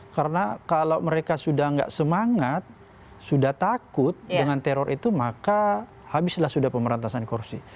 karena kalau mereka sudah tidak semangat sudah takut dengan teror itu maka habislah sudah pemerantasan korupsi